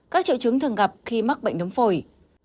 các triệu chứng thường gặp khi mắc bệnh nấm phổi